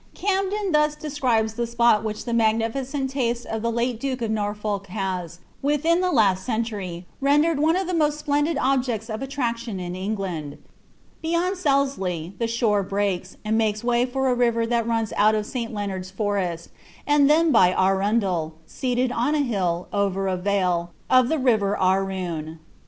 Camden thus describes the spot which the magnificent taste of the kle duke of Norfolk has, within the last centuiy, rendered one of the most splendid objects of attraction in England :—^^ Beyond Selsey, the shore breaks, and makes way for a river that runs out of St. Leonard's forest, and then by Arundel, seated on a hill, o\er a vale, of the river Aran."